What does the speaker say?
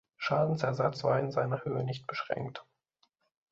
Schadensersatz war in seiner Höhe nicht beschränkt.